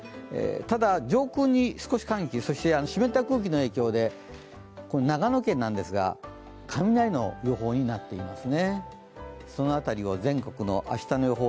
ただ上空に少し寒気、そして湿った空気の影響で長野県ですが、雷の予報になっています。